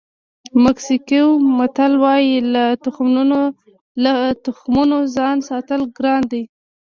مکسیکوي متل وایي له تخمونو ځان ساتل ګران دي.